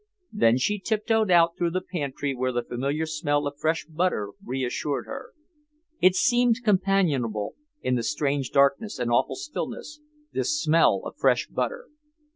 Then she tiptoed out through the pantry where the familiar smell of fresh butter reassured her. It seemed companionable, in the strange darkness and awful stillness, this smell of fresh butter.